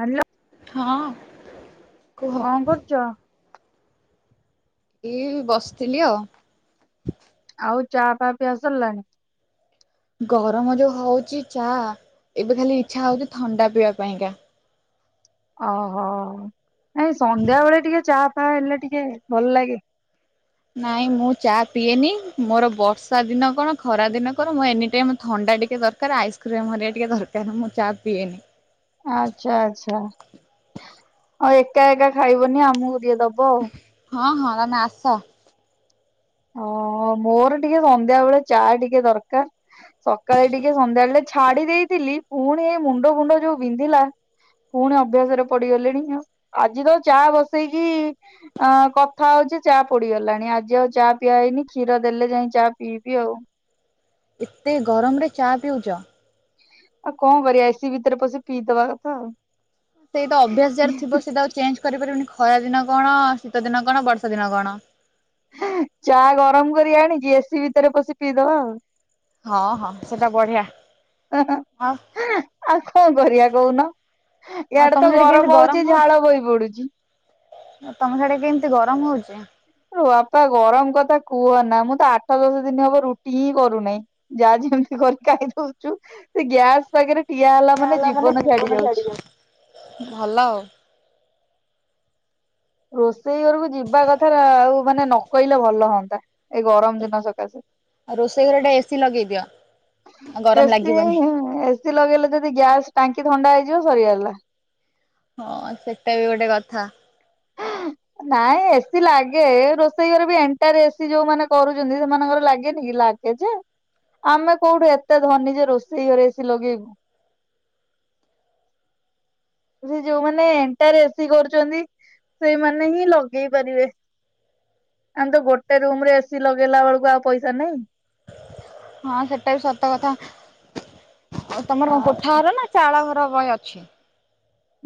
Hello ହଁ, କୁହ? କଣ କରୁଛ? ଇ ଏ ବସିଥିଲି ଆଉ। ଆଉ ଚା ଫା ପିଆ ସରିଲାଣି? ଗରମ ଯୋଉ ହଉଛି ଚା ଏବେ ଖାଲି ଚଛା ହଉଛି ଥଣ୍ଡା ପିଇବା ପାଇଁକା। ଓହୋ ନାଇ ସନ୍ଧ୍ୟା ବେଳେ ଟିକେ ଚା ଫା ହେଲେ ଟିକେ ଭଲ ଲାଗେ। ନାଇଁ ମୁଁ ଚା ପିଏନି ମୋର ବର୍ଷା ଦିନ କଣ ଖରା ଦିନ କଣ ମୁ ଏନି ଟାଇମ ଥଣ୍ଡା ଟିକେ ଦର କାର ଆଇସ୍କ୍ରିମ୍ ହେରିକା ଟିକେ ଦରକାର ମୁଁ ଚା ପିଏନି। ଆଚ୍ଛା ଆଚ୍ଛା ଆଉ ଏକା ଏକା ଖାଇବନି ଆମକୁ ଟିକେ ଦବ ଆଉ ଆଉ। ହଁ ହଁ ତମେ ଆସ। ଅ ମୋର ଟିକେ ସନ୍ଧ୍ୟା ବେଳେ ଚା ଟିକେ ଦରକାର। ସକାଳେ ଟିକେ ସନ୍ଧ୍ୟାବେଳେ ଛାଡି ଦେଇଥିଲି ପୁଣି ଏ ମୁଣ୍ଡ ଫୁଣ୍ଡ ଯୋଉ ବିନ୍ଧିଲା। ପୁଣି ଅଭ୍ୟାସରେ ପଡିଗଲିଣି ଆଜି ତ ଚା ବସେଇକି ଅ କଥା ହଉଛି ଚା ପୋଡିଗଲାଣି ଆଜି ଆଉ ଚା ପିଆଇନି କ୍ଷୀର ଦେଲେ ଯାଇ ଚାହା ପିଇବି ଆଉ ଏତେ ଗରମରେ ଚା ପିଉଛ? ଆଉ କଣ କରିଆ ଏ ସିି ଭିତରେ ପଶି ପିଇଦବା କଥା ଆଉ। ସେଇ ତ ଅଭ୍ୟାସ ଯାହାର ଥିବ ସିଏ ତ ଆଉ ଚେଞ୍ଜ କରିପାରିବନି ଖରା ଦିନ କଣ ଶୀତ ଦିନ କଣ ବର୍ଷା ଦିନ କଣ ଚା ଗରମ କରି ଆଣିଛି ଏ ସିି ଭିତରେ ପଶି ପିଇଦବା ଆଉ। ହଁ ହଁ ସେଟା ବଢିଆ। ଆଉ କଣ କରିବା କହୁନ? ଆଉ ଇଆଡେ ତମ ତ ସେଠି କେମିତି ଗରମ ହଉଚି ଝାଳ ହଉଛି ବୋହି ପଡୁଛି। ତମ ସାଡେ କେମିତି ଗରମ ହଉଛି? ବାପା ଗରମ କଥା କୁହନା ମୁଁ ତ ଆଠ ଦଶ ଦିନ ହବ ରୁଟି ହିଁ କରୁନାହିଁ। ଯାହା ଯେମିତି କରି ଖାଇଦଉଛୁ ସେ ଗ୍ୟାସ ପାଖରେ ଠିଆ ହେଲା ମାନେ ଜୀବନ ଛାଡି ଯାଉଛି। ଭଲ ଆଉ। ରୋଷେଇ ଘରକୁ ଯିବା କଥା ଆଉ ମାନେ ନକହିଲେ ଭଲ ହଅନ୍ତା। ଏଇ ଗରମ ଦିନ ସକାସେ। ରୋଷେଇ ଘରେ ଗୋଟେ ଏସିି ଲଗେଇଦିଅ ଆଉ ଏ ଗରମ ସି ଲାଗିବନି। ଏ ସି ଲଗେଇଲେ ଯଦି ଗ୍ୟାସ୍ ଟାଙ୍କି ଥଣ୍ଡା ହେଇଯିବ ସରିଗଲା। ହଁ ସେଟା ବି ଗୋଟେ କଥା। ନାଇଁ ଏ ସିି ଲାଗେ ରୋଷେଇ ଘରେ ବି ଏଣ୍ଟାୟାର ଏ ସି ଯୋଉମାନେ କରୁଛନ୍ତି ସେମାନଙ୍କର ଲାଗେନି କି ଲାଗ ଏଯେ ଆମେ କୋଉଠୁ ଏତେ ଧନୀ ଯେ ରୋଷେଇ ଘରେ ଏ ସି ଲଗେଇବୁ। ସେ ଯୋଉମାନେ ଏଣ୍ଟୟାର ଏ ସି କରୁଛନ୍ତି। ସେଇମାନେ ହିଁ ଲଗେଇ ପାରିବେ। ଆମେ ତ ଗୋଟେ ରୁମ ରେ ଏ ସି ଲଗେଇଲା ବେଳକୁ ଆଉ ପଇସା ନାହିଁ। ହଁ ସେଟା ବି ସତ କଥା। ଆଉ ତମର କଣ ଆଉ କୋଠାଘର ନା ଚାଳ ଘର ବି ଅଛି?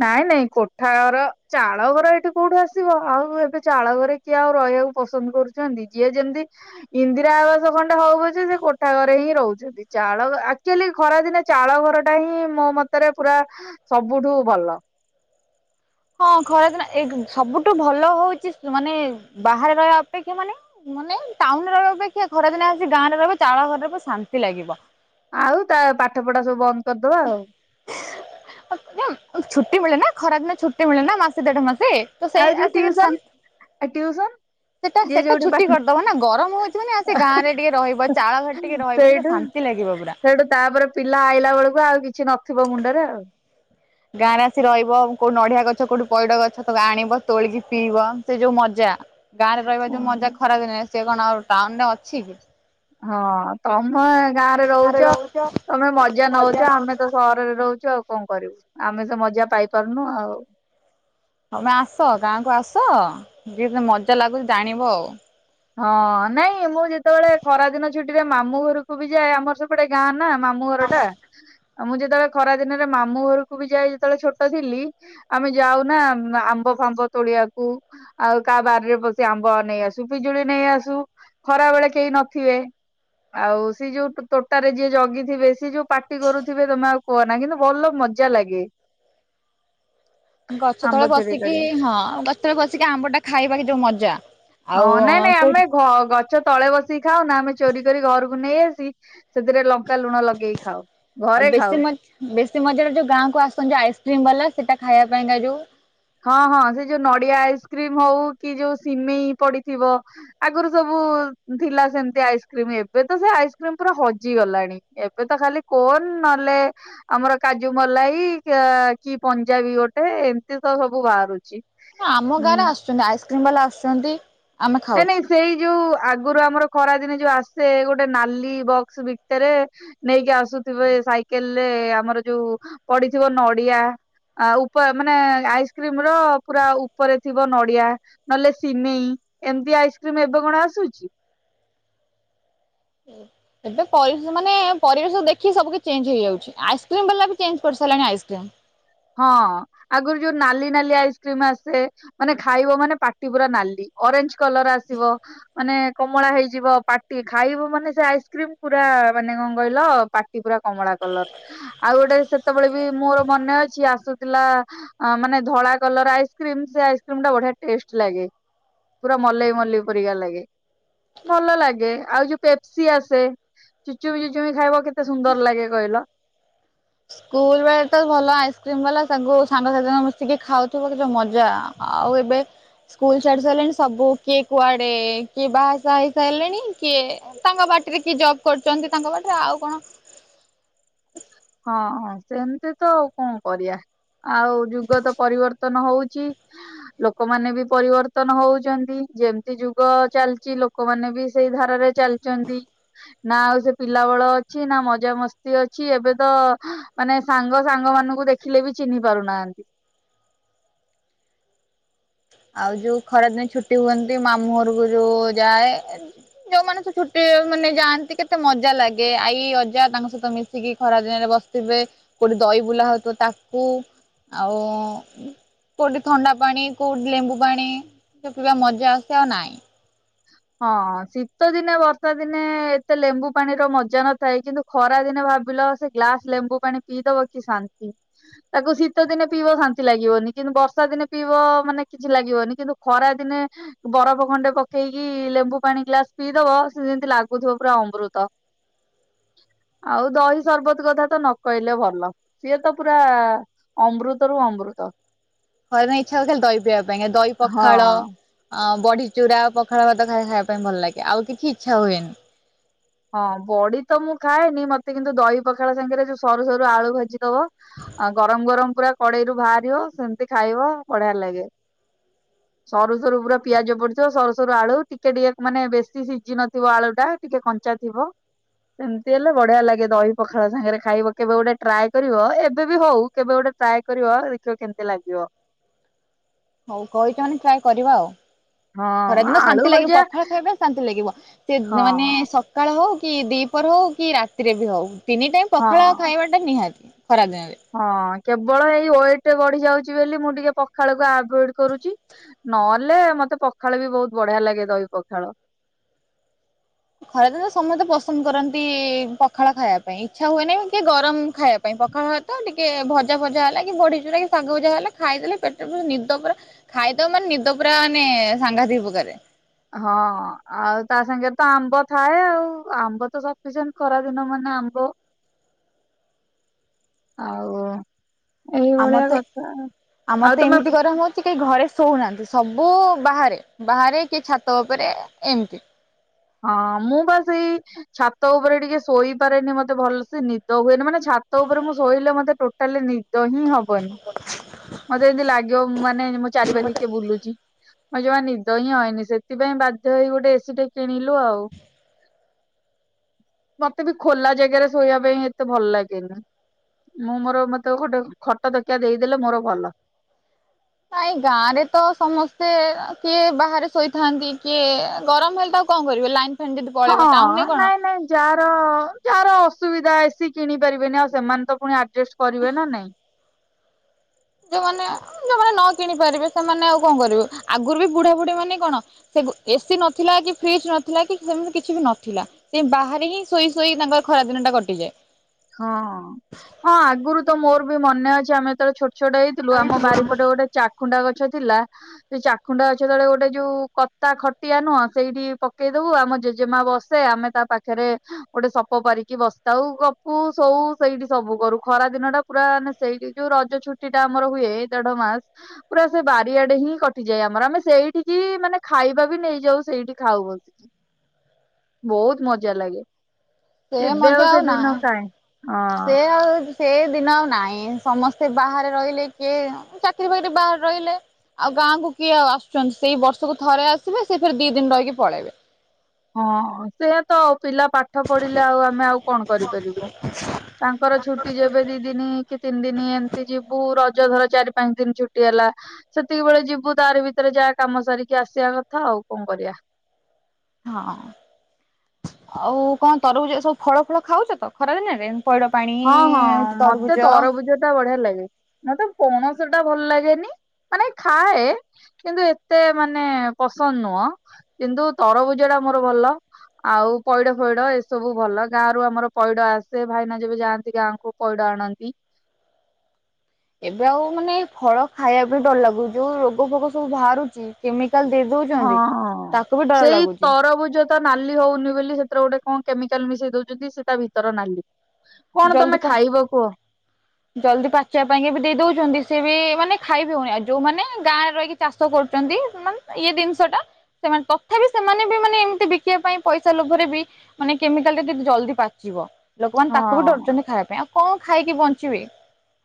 ନାଇଁ ନାଇଁ କୋଠାଘର ଚାଳ ଘର ଏଇଠି କୋଉଠୁ ଆସିବ ଆଉ ଏବେ ଚାଳଘରେ କିଏ ଆଉ ରହିବାକୁ ପସନ୍ଦ କରୁଛନ୍ତି ଯିଏ ଯେମିତି ଇନ୍ଦିରା ଆବାସ ଖଣ୍ଡେ ହଉ ପଛ ସେ କୋଠା ଘରେ ହିଁ ରହୁଛନ୍ତି। ଚାଳଘର ଆକ୍ଚୁଆଲି ଖରାଦିନେ ଚାଳ ଘର ଟା ହିଁ ମୋ ମତରେ ପୁରା ସବୁଠୁ ଭଲ। ହଁ ଖରାଦିନ ଏ ସବୁଠୁ ଭଲ ହଉଛି ମାନେ ବାହାରେ ରହିବା ଅପେକ୍ଷା ମାନେ ମାନେ ଟାଉନରେ ରହିବା ଅପେକ୍ଷା ଖରାଦିନେ ଆସି ଗାଁ ରେ ରହିବ ଚାଳ ଘରେ ରହିବ ଶାନ୍ତି ଲାଗିବ। ଆଉ ତା ପାଠ ପଢା ସବୁ ବନ୍ଦ କରିଦବା ଆଉ ଛୁଟି ମିଳେ ନା ଖରାଦିନ ଛୁଟି ମିଳେ ନା ମାସେ ଦେଢ ମାସେ। ତ ଆଉ ସେଇ ଯୋଉ ଆସିକିରି ଟିଉସନ ସା ଟିଉସନ? ସେଇଟା ଯିଏ ସେଟା ଯୋଉଠି ଛୁଟି ପାଠ କରିଦବ ନା ଗରମ ହଉଛି ମାନେ ଆସି ଗାଁରେ ଟିକେ ରହିବ ଚାଳ ଘରେ ଟିକେ ରହିବ ସେଇଟା ସେଇଠୁ ଶାନ୍ତି ଶାନ୍ତି ଲାଗିବ ପୁରା। ସେଇଠୁ ତାପରେ ପିଲା ଆଇଲା ବେଳକୁ ଆଉ କିଛି ନଥିବ ମୁଣ୍ଡରେ ଆଉ। ଗାଁ ରେ ଆସି ରହିବ କୋଉଠି ନଡିିଆ ଗଛ କୋଉଠି ପଇଡ ଗଛ ତାକୁ ଆଣିବ ତୋଳିକି ପିଇବ ସେ ଯୋଉ ମଜା ଗାଁରେ ରହିବା ଯୋଉ ମଜା ଖରାଦିନେ ସେ କଣ ଆଉ ଟାଉନ ରେ ଅଛି କି? ହଁ ତମେ ଗାଁରେ ରହୁଛ ତମେ ମଜା ନଉଛ ଆମେ ତ ସହ ରରେ ରହୁଛୁ ଆଉ କଣ କରିବୁ ଆମେ ତ ମଜା ପାଇପାରୁନୁ ଆଉ। ତମେ ଆସ ଗାଁ କୁ ଆସ ଯେଏ ମଜା ଲାଗୁଛି ଜାଣିବ ଆଉ। ହଁ ନାଇଁ ମୁଁ ଯେତେବେଳେ ଖରା ଦିନ ଛୁଟିରେ ମାମୁଁ ଘରକୁ ବି ଯାଏ ଆମର ସେ ପଟେ ଗାଁ ନା ମାମୁଁ ଘର ଟା ଆଉ ମୁଁ ଯେତେବେଳେ ଖରା ଦିନରେ ମାମୁଁ ଘରକୁ ବି ଯାଇ ଯେତେବେଳେ ଛୋଟ ଥିଲି। ଆମେ ଯାଉନା ଆ-ଆମ୍ବ ଫାମ୍ବ ତୋଳିବାକୁ ଆଉ କାହା ବାରିରେ ବସିି ଆମ୍ବ ନେଇେ ଆସୁ। ପିଜୁଳି ନେଇ ଆସୁ ଖରା ବେଳେ କେହି ନଥିବେ। ଆଉ ସିଏ ଯୋଉ ତୋଟାରେ ଯିଏ ଜଗିଥିବେ ସେ ଯୋଉ ପାଟି କରୁଥିବେ ତମେ ଆଉ କୁହନା କିନ୍ତୁ ଭଲ ମଜା ଲାଗେ। [inaudible] ଗଛ ତଳେ ଆମ୍ବ ଚୋରି ବସିକି କରିବା। ହଁ ଗଛ ତଳେ ବସିକି ଆମ୍ବ ଟା ଖାଇବା କି ଯୋଉ ମଜା। ଆଉ ହଁ ନାଇଁ ନାଇଁ କୋଉଠି ଆମେ ଘ-ଗ ଗଛ ତଳେ ବସିକି ଖାଉ ନା ଆମେ ଚୋରି କରି ଘରକୁ ନେଇ ଆସି ସେଥିରେ ଲଙ୍କ କା ଲୁଣ ଲଗେଇକି ଖାଉ ଆଉ ଘରେ ବେଶୀ ଖାଉ। ମ ବେଶୀ ମଜାଟା ଯୋଉ ଗାଁକୁ ଆସୁଛନ୍ତି ଆଇସ୍କ୍ରିମ ବାଲା ସେଟା ଖାଇବା ପାଇଁକା ଯୋଉ? ହଁ ହଁ ସେ ଯୋଉ ନଡିଆ ଆଇସ୍କ୍ରିମ ହଉ କି ଯୋଉ ସିମେଇ ପଡିଥିବ। ଆଗରୁ ସବୁ ଥିଲା ସେମିତି ଆଇସ୍କ୍ରିମ ଏବେ ତ ସେ ଆଇସ୍କ୍ରିମ ପୁରା ହଜିଗଲାଣି। ଏବେ ତ ଖାଲି କୋନ ନହେଲେ ଆମର କାଜୁ ମଲାଇ କି-କି ପଞ୍ଜାବୀ ଗୋଟେ ଏମତି ତ ସବୁ ବାହାରୁଛି। ହଁ ଆମ ଗାଁ ଉଁ ରେ ଆସୁଛନ୍ତି ଆଇସ୍କ୍ରିମ ବାଲା ଆସୁଛନ୍ତି ଆମେ ନାଇଁ ଖାଉଛୁ। ନାଇଁ ସେଇ ଯୋଉ ଆଗରୁ ଆମର ଖରାଦିନେ ଯୋଉ ଆସେ ଗୋଟେ ନାଲି ବକ୍ସ ଭିତରେ ନେଇକି ଆସୁଥିବେ ସାଇକେଲରେ ଆମର ଯୋଉ ପଡିଥିବ ନଡିଆ ଆ ଉପ-ମାନେ ଆଇସ୍କ୍ରିମ ର ପୁରା ଉପରେ ଥିବ ନଡିଆ। ନହେଲେ ସିିମେଇ ଏମିତି ଆଇସ୍କ୍ରିମ ଏବେ କଣ ଆସୁଛି? ହୁଁ ଏବେ ପରିବେଶ ମାନେ ପରିବେଶ ଦେଖି ସବୁଛି ଚେଞ୍ଜ ହେଇଯାଉଛି ଆଇସ୍କ୍ରିମ୍ ବାଲା ବି ଚେଞ୍ଜ କରିସାରିଲାଣି ଆଇସ୍କ୍ରିମ। ହଁ ଆଗରୁ ଯୋଉ ନାଲି ନାଲି ଆଇସ୍କ୍ରିମ ଆସେ ମାନେ ଖାଇବ ମାନେ ପାଟି ପୁରା ନାଲି। ଅରେଞ୍ଜ କଲର ଆସିବ ମାନେ କମଳା ହେଇଯିବ ପା ଖାଇବୁ ମାନେ ସେ ଆଇସ୍କ୍ରିମ ପୁରା ମାନେ କଣ କହିଲ ପାଟି ପୁରା କମଳା କଲର। ଆଉ ଗୋଟେ ସେତେବେଳେ ବି ମୋର ମନେ ଅ ଛି ଆସୁଥିଲା ମାନେ ଧଳା କଲର ଆଇସ୍କ୍ରିମ ସେ ଆଇସ୍କ୍ରିମ ଟା ବଢିଆ ଟେଷ୍ଟ ଲାଗେ। ପୁରା ମଲେଇ ମଲେଇ ପରିକା ଲାଗେ ଭଲ ଲାଗେ ଆଉ ଯୋଉ ପେପସି ଆସେ ଚୁଚୁମି ଚୁଚୁମି ଖାଇବ କେତେ ସୁନ୍ଦର ଲାଗେ କହିଲ। ସ୍କୁଲ ବେଳେ ତ ଭଲ ଆଇସ୍କ୍ରିମ ବାଲା ସାଗୁ ସାଙ୍ଗସାଥିଙ୍କ ମିଶିକି ଖାଉଥିବୁ କେତେ ମଜା। ଆଉ ଏବେ ସ୍କୁଲ ଛାଡି ସାରିଲେଣି ସବୁ କିଏ କୁଆଡେ କିଏ ବାହା ଶାହା ହୋଇସାରିଲେଣି କିଏ ତାଙ୍କ ବାଟରେ କି ଜବ୍ କରୁଛନ୍ତି ତାଙ୍କ ବାଟରେ ଆଉ କଣ ହଁଁ ସେମତି ତ ଆଉ କଣ କରିବା। ଆଉ ଯୁଗ ତ ପରିବର୍ତ୍ତନ ହଉଛି। ଲୋକମାନେ ବି ପରିବର୍ତ୍ତନ ହଉଛନ୍ତି ଯେମିତି ଯୁଗ ଚାଲିଛି ଲୋକମାନେ ବି ସେଇ ଧାରାରେ ଚାଲି ଚନ୍ତି ନା ଆଉ ସେ ପିଲା ବେଳ ଅଛି ନା ମଜାମସ୍ତି ଅଛି ଏବେ ତ ମାନେ ସାଙ୍ଗ ସାଙ୍ଗମାନଙ୍କୁ ଦେଖିଲେ ବି ଚିହ୍ନି ପାରୁନାହାନ୍ତି। ଆଉ ଯୋଉ ଖରାଦିନ ଛୁଟି ହୁଅନ୍ତି ମାମୁଁ ଘରକୁ ଯୋଉ ଯାଏ ଯୋଉମାନେ ତ ଛୁଟି ମାନେ ଯାଆନ୍ତି କେତେ ମଜା ଲାଗେ ଆଈ, ଅଜା ତାଙ୍କ ସହିତ ମିଶିକି ଖରା ଦିନରେ ବସି ଥିବେ କେଉଠି ଦହିିବୁଲା ହେଉଥିବ ତାକୁ ଆଉ କୋଉଠି ଥଣ୍ଡା ପାଣି କୋଉଠି ଲେମ୍ବୁ ପାଣି ସେପିବା ମଜା ଆସେ ଆଉ ନାଇଁ। ହଁ ଶୀତ ଦିନେ ବର୍ଷା ଦିନେ ଏତେ ଲେମ୍ବୁ ପାଣିର ମଜା ନଥାଏ କିନ୍ତୁ ଖରା ଦିନେ ଭାବିଲ ସେ ଗ୍ଲାସ ଲେମ୍ବୁ ପାଣି ପିଇଦବ କି ଶାନ୍ତି। ତାକୁ ଶୀତ ଦିନେ ପିଇବ ଶାନ୍ତି ଲାଗିବନି କିନ୍ତୁ ବର୍ଷା ଦିନେ ପିଇବ ମାନେ କିଛି ଲାଗିବନି କିନ୍ତୁ ଖରା ଦିନେ ବରଫ ଖଣ୍ଡେ ପ କେଇ କି ଲେମ୍ବୁ ପାଣି ଗ୍ଲାସ ପିଇଦବ ସେ ଯେମିତି ଲାଗୁଥିବ ପୁରା ଅମୃତ। ଆଉ ଦହି ସରବତ୍ତ କଥା ତ ନ କହିଲେ ଭଲ ସିଏ ତ ପୁରା ଅମୃତ ରୁୁ ଅମୃତ। ଘରେ ଇଚ୍ଛା ହୁଏ ଖାଲି ଦହି ପିଇବା ପାଇଁ ଦହି ହଁ। ପଖାଳ ଅ ବଢି ଚୁରା ପଖାଳ ଭାତ ସାଙ୍ଗେ ଖାଇବା ପାଇଁ ଭଲ ଲାଗେ ଆଉ କିଛି ଇଚ୍ଛା ହୁଏନି। ହଁ ବଡି ତ ମୁଁ ଖାଏନି ମତେ କିନ୍ତୁ ଦହି ପଖାଳ ସାଙ୍ଗରେ ଯୋଉ ସରୁ ସରୁ ଆଳୁ ଭାଜି ଦବ ଆ ଗରମ ଗରମ ପୁରା କଡେଇରୁୁ ବାହାରିବ ସେମତି ଖାଇବ ବଢିଆ ଲାଗେ। ସରୁ ସରୁ ପୁରା ପିଆଜ ପଡିଥିବ ସରୁ ସରୁ ଆଳୁ ଟିକେ ଟିକେ ମାନେ ବେଶୀ ସିଝି ନଥିବ ଆଳୁ ଟା ଟିକେ କ ଞ୍ଚା ଥିବ। ସେମିତି ହେଲେ ବଢିଆ ଲାଗେ ଦହି ପଖାଳ ସାଙ୍ଗରେ ଖାଇବ କେବେ ଗୋଟେ ଟ୍ରାଏ କରିବ ଏବେ ବି ହଉ କେବେ ଗୋଟେ ଟ୍ରାଏ କରିବା ଦେଖିବା କେମତିଆ ଲାଗିବ। ହଉ କହିଛ ମାନେ ଟ୍ରାଏ କରିବା ଆଉ ହଁ ଖରାଦିନ ଆଳୁ ଶାନ୍ତି ଲାଗିବ ଭଜା ପଖାଳ ଖାଇବେ ଶାନ୍ତି ଲାଗିବ ସେ ହଁ ମାନେ ସକାଳ ହଉ କି ଦିପର ହଉ କି ରାତିରେ ବି ହଉ। ତିନି ଟାଇମ୍ ପଖାଳ ଆଉ ହଁ। ଖାଇବାଟା ନିହାତି ଖରା ଦିନରେ। ହଁ କେବଳ ଏଇ ୱେଟ ବଢି ଯାଉଛି ବୋଲି ମୁଁ ଟିକେ ପଖାଳକୁ ଆଭଏଡ କରୁଛି। ନହେଲେ ମତେ ପଖାଳ ବି ବହୁତ ବଢିଆ ଲାଗେ ଦହି ପଖାଳ। ଖରା ଦିନେ ତ ସମସ୍ତେ ପସନ୍ଦ କରନ୍ତି ପଖାଳ ଖାଇବା ପାଇଁ ଇଚ୍ଛା ହୁଏନେଇ କି ଗରମ ଖାଇବା ପାଇଁ ପ ଖହୁଏତ ଟିକେ ଭଜା ଭଜା ହେଲା କି ବଢ଼ିଚୁରା କି ଶାଗ ଭଜା ହେଲା ଖାଇଦେଲେ ପେଟରେ ପ ନିଦ ପୁରା। ଖାଇ ଦବ ମାନେ ନିଦ ପୁରା ମାନେ ସାଘାତିକ ପ୍ରକାରେ। ହଁ ଆଉ ତା ସାଙ୍ଗେରେ ତ ଆମ୍ବ ଥାଏ ଆଉ ଆମ୍ବ ତ ସପିସେଣ୍ଟ। ଖରାଦିନ ମାନେ ଆମ୍ବ। ଆଉ ଆମର ଏଇଭଳିଆ ତ କଥା ଆଉ ଆଉ ତମେ ଠି କେହି ଘରେ ଶୋଉନାହାନ୍ତି ସବୁ ବାହାରେ ବାହାରେ କିଏ ଛାତ ଉପରେ ଏମିତି। ହଁ ମୁଁ ବା ସେଇ ଛାତ ଉପରେ ଟିକେ ଶୋଇପାରେନି ମତେ ଭଲସେ ନିଦ ହୁଏନି ମାନେ ଛା ଛାତ ଉପରେ ମୁଁ ଶୋଇଲେ ମତେ ଟୋଟାଲି ନି ଦ ହିଁ ହବନି ମତେ ଯେମିତି ଲାଗିବ ମାନେ ମୋ ଚାରିପଖେ କିଏ ବୁଲୁଚି। ମତେ ଜମା ନିଦ ହିଁ ହଇନି ସେଥିପାଇଁ ବାଧ୍ୟ୍ୟ ହେଇ ଗୋଟେ ଏସି ଟେ କିଣିଲୁ ଆଉ। ମତେ ବି ଖୋଲା ଜାଗାରେ ଶୋଇବା ପାଇଁ ଏତେ ଭଲ ଲାଗେନି। ମୁଁ ମୋର ମତେ ଗୋଟେ ଖଟ ତକିଆ ଦେଇଦେଲେ ମୋର ଭଲ। ନାଇ ଗାଁ ରେ ତ ସମସ୍ତେ କିଏ ବାହାରେ ଶୋଇଥାନ୍ତି କିଏ ଗରମ ହେଲେ ତ କଣ କରିବ ଲାଇନ୍ ହଁ ନାଇଁ ନାଇଁ ଯାର ଯାର ଅସୁବିଧା ଏସିି କିଣି ପାରିବେନି ଆଉ ସେମାନେ ତ ପୁଣି ଆରର୍ଜେଷ୍ଟ କରିବେ ନା ନାଇଁ। ଯୋଉମାନେ ଯୋଉମାନେ ନ କିଣି ପାରିବେ ସେମାନେ ଆଉ କଣ କରିବେ ଆଗରୁ ବି ବୁଢା ବୁଢୀ ମାନେ କଣ ସେ ଏସିି ନଥିଲା କି ଫ୍ରିଜ୍ ନଥିଲା କି ସେମିତି କିଛି ବି ନଥିଲା। ସେ ବାହାରେ ହିଁ ଶୋଇ ଶୋଇ ତାଙ୍କର ଖରାଦିନ ଟା କଟିଯାଏ। ହଁ ହଁ ଆଗରୁ ତ ମୋର ବି ମନେ ଅଛି ଆମେ ଯେତେବେଳେ ଛୋଟ ଛୋଟ ହେଇ ଥିଲୁ ଆମ ବାରିପଟେ ଗୋଟେ ଚାଖୁଣ୍ଡା ଗଛ ଥିଲା। ସେ ଚାଖୁଣ୍ଡା ଅଛ ତଳେ ଗୋଟେ ଯୋଉ କତା ଖଟିଆ ନୁହଁ ସେଇଠି ପକେଇ ଦବୁ ଆମ ଜେଜେମା ବସେ ଆମେ ତା ପାଖରେ ଗୋଟେ ସପ ପାରିକି ବସିଥାଉ ଗ ପୁ ସୋଉ ସେଇଠି ସବୁ କରୁ ଖରା ଦିନ ଟା ପୁରା ମାନେ ସେଇଠି ଯୋଉ ରଜ ଛୁଟି ଟା ଆମର ହୁଏ ଦେଢ ମାସ ପୁରା ସେ ବାରିଆଡେ ହିଁ କଟିଯାଏ ଆମର ଆମେ ସେଇଠିକି ମାନେ ଖାଇବା ବି ନେଇଯାଉ ସେଇଠି ଖାଉ ବସି ବହୁତ ମଜା ଲାଗେ। ସେ ଏବେ ମଜା ସେ ଆଉ ନା ଦିନ କାଇଁ ହଁ। ସେ ଆଉ ସେ ଦିନ ଆଉ ନାଇଁ ସମସ୍ତେ ବାହାରେ ରହିଲେ କିଏ ଚାକିରି ବାକିରି ବାହାରେ ରହିଲେ। ଆଉ ଗାଁ କୁ କିଏ ଆଉ ଆସୁଚନ୍ତି ସେଇ ବର୍ଷକୁ ଥରେ ଆସିବେ ସେ ଫେରେ ଦି ଦିନ ରହିକି ପଳେଇବେ। ହଁ ସେଇଆ ତ ଆ ପିଲା ପାଠ ପଢିଲେ ଆଉ ଆମେ ଆଉ କଣ କରିପାରିବୁ। ତାଙ୍କର ଛୁଟି ଯେବେ ଦି ଦିନ କି ତିନି ଦିନି ଏମିତି ଯିବୁ ରଜ ଧର ଚାରି ପାଞ୍ଚ ଦିନ ଛୁ ଛୁଟି ହେଲା ସେତିକି ବେଳେ ଯିବୁ ତାର ଭିତରେ ଯା କାମ ସାରିକି ଆସିବା କଥା ଆଉ କଣ କରିବା। ହଁ ଆଉ କଣ ତରଭୁଜ ସବୁ ଫଳ ଫଳ ଖାଉଚ ତ ଖରା ଦିନରେ? ପଇଡ ପାଣି ହଁ ହଁ ତରଭୁଜ ମତେ ତରଭୁଜ ଟା ବଢିଆ ଲାଗେ। ମତେ ପଣସଟା ଭଲ ଲାଗେନି ମାନେ ଖାଏ କିନ୍ତୁ ଏତେ ମାନେ ପସନ୍ଦ ନୁହଁ କିନ୍ତୁ ତରଭୁଜ ଟା ମୋର ଭଲ। ଆଉ ପଇଡ ଫଇଡ ଏସବୁ ଭଲ ଗାଁ ରୁ ଆମର ପଇଡ ଆସେ ଭାଇନା ଯେବେ ଯାଆନ୍ତି ଗାଁକୁ ପଇଡ ଆଣନ୍ତି। ଏବେ ଆଉ ମାନେ ଫଳ ଖାଇବା ବି ଡର ଲାଗୁଛି ଯୋଉ ରୋଗ ଫୋଗ ସବୁ ବାହାରୁଚି କେମିକାଲ ଦେଇ ଦଉ ହଁ ସେଇ ତରଭୁଜ ତ ନାଲି ହଉନି ବୋଲି ସେଥିରେ ଗୋଟେ କଣ କେମିକାଲ ମିଶେଇ ଦଉଚନ୍ତି ସେ ତା ଭିତର ନାଲି। କଣ ତମେ ଜଲଦି ପା ଖାଇବ କୁହ ଜଲ୍ଦି ପାଚିବା ପାଇଁ ବି ଦେଇ ଦଉଚନ୍ତି ସିଏ ବି ମାନେ ଖାଇବିହଉନି ଆଉ ଯୋଉମାନେ ଗାଁରେ ରହିକି ଚାଷ କରୁଚନ୍ତି ମାନେ ଇଏ ଜିନିଷ ଟା ସେମାନେ ତଥାପି ସେମାନେ ବି ମାନେ ଏମିତି ବିକିବା ପାଇଁ ପଇସା ଲୋଭରେ ବି ମାନେ କେମିକାଲ ରେ ଜଲଦି ପାଚିବ ଲୋକମାନେ ତାକୁ ବି ହଁ। ଡରୁଚନ୍ତି ଖାଇବା ପାଇଁ ଆଉ କଣ ଖାଇକି ବଞ୍ଚିବେ।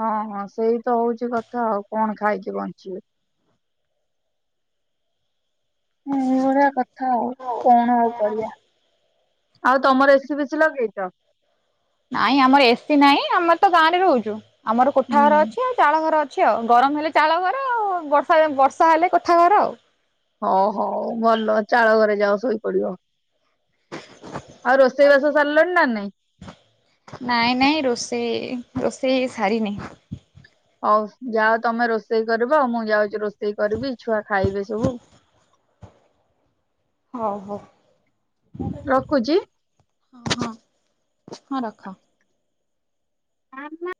ହଁ ହଁ ସେଇ ତ ହଉଛି କଥା ଆଉ କଣ ଖାଇକି ବଞ୍ଚିବେ? ହଁ ଏଇଭଳିଆ କଥା ଆଉ କଣ ଆଉ କରିବା ଆଉ ତମର ଏସିି ଫେସି ଲଗେଇଚ ନାଇଁ ଆମର ଏସିି ନାଇଁ ଆମେ ତ ଗାଁ ରେ ରହୁଛୁ ଆମର କୋଠା ହୁଁ ଘର ଅଛି ଚାଳ ଘର ଅଛି ଆଉ ଗରମ ହେଲେ ଚାଳ ଘର ଆଉ ବର୍ଷା ବର୍ଷା ହେଲେ କୋଠା ଘର ଆଉ ହଉ ହଉ ଭଲ ଚାଳ ଘରେ ଯାଅ ଶୋଇପଡିବ। ଆଉ ରୋଷେଇବାସ ସାରିଲଣି ନା ନାଇଁ ନାଇଁ ନାଇଁ ରୋଷେଇ ରୋଷେଇ ସାରିିନି ହଉ ଯାଅ ତମେ ରୋଷେଇ କରିବ ମୁଁ ଯାଉଛି ରୋଷେଇ କରିବି ଛୁଆ ଖାଇବେ ସବୁ ହଉ ହଉ ରଖୁଚି ହଁ ହଁ ହଁ ରଖ। ମା ମା